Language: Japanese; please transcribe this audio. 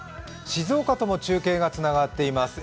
静岡とも中継がつながっています。